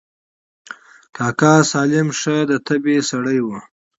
کاکا سالم ښه د طبعې سړى و.